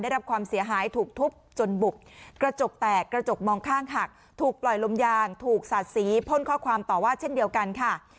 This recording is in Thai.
ได้รับความเสียหายถูกทุบจนบุบกระจกแตกกระจกมองข้างหักถูกปล่อยลมยางถูกสาดสีพ่นข้อความต่อว่าเช่นเดียวกันค่ะ